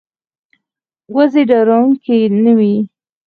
وزې ډارېدونکې نه وي